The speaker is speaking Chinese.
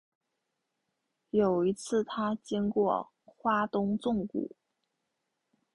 有一次他经过花东纵谷